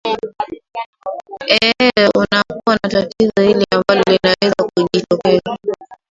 ee unakuwa na tatizo hili ambalo linaweza kujitokeza